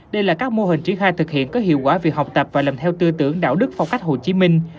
đây là các mô hình triển khai thực hiện có hiệu quả việc học tập và làm theo tư tưởng đạo đức phong cách hồ chí minh